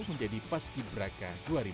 menjadi paski braka dua ribu dua puluh tiga